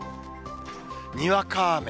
にわか雨。